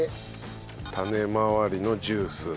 種周りのジュース。